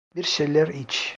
Bir şeyler iç.